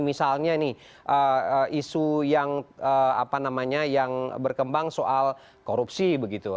misalnya nih isu yang berkembang soal korupsi begitu